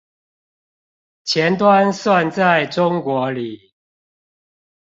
前端算在中國裡